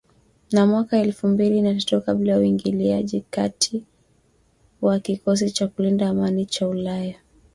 na mwaka elfu mbili na tatu kabla ya uingiliaji kati wa kikosi cha kulinda amani cha ulaya